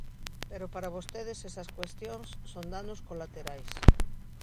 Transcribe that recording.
Pero para vostedes esas cuestións son danos colaterais.